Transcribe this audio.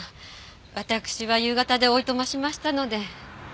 私は夕方でおいとましましたので。